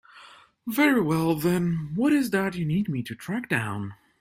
Very well then, what is it that you need me to track down?